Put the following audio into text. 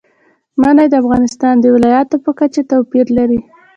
منی د افغانستان د ولایاتو په کچه توپیر لري.